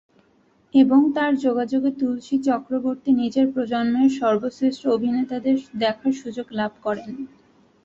এবং তার যোগাযোগে তুলসী চক্রবর্তী নিজের প্রজন্মের সর্বশ্রেষ্ঠ অভিনেতাদের দেখার সুযোগ লাভ করেন।